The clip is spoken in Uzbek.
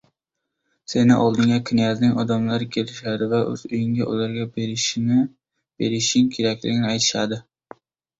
Seni oldingga knyazning odamlari kelishadi va oʻz uyingni ularga berishing kerakligini aytishadi.